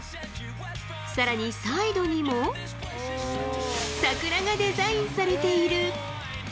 さらにサイドにも、桜がデザインされている。